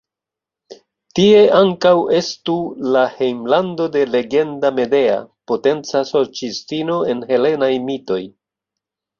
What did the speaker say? Tie ankaŭ estu la hejmlando de legenda Medea, potenca sorĉistino en helenaj mitoj.